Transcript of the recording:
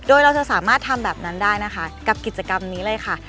โดยเราจะสามารถทำแบบนั้นได้นะคะกับกิจกรรมนี้เลยค่ะ